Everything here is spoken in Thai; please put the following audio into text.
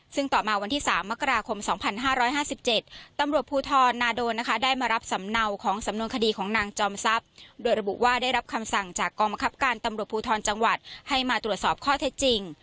ซึ่งต่อมาวันที่๓มกราคม๒๕๕๗ตำรวจภูทรนาโดนนะคะได้มารับสำเนาของสำนวนคดีของนางจอมทรัพย์โดยระบุว่าได้รับคำสั่งจากกองบังคับการตำรวจภูทรจังหวัดให้มาตรวจสอบข้อเท็จจริง